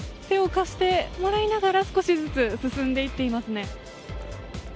手を貸してもらいながら少しずつ進んでいってますね。